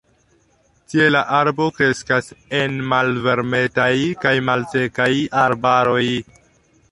Tie la arbo kreskas en malvarmetaj kaj malsekaj arbaroj.